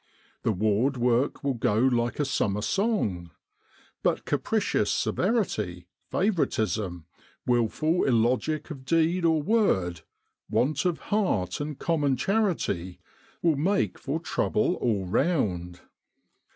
The ward work will go like a summer song. But capricious severity, favoritism, wilful illogic of deed or word, want of heart and common charity, will make for trouble all round.